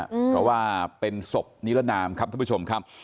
เพราะว่าเป็นศพนิรนามครับท่านผู้ชมครับ